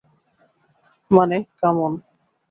মানে, come on.